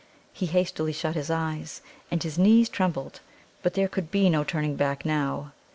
He hastily shut his eyes, and his knees trembled. But there could be no turning back now.